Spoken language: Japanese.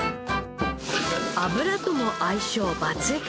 油とも相性抜群！